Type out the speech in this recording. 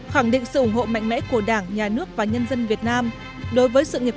khẳng định sự ủng hộ mạnh mẽ của đảng nhà nước và nhân dân việt nam đối với sự nghiệp